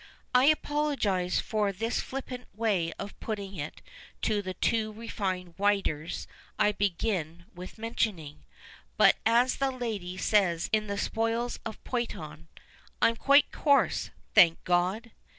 I apologize for this fli})pant way of putting it to the two refined writers I began by mentioning. But, as the lady says in 'The Spoils of Poynton, " I'm quite coarse, thank God